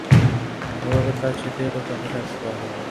পানুবাবুর কাছ হইতেও তো কোনো সাহায্য পাওয়া গেল না।